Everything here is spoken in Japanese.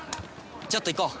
ちょっと行こう！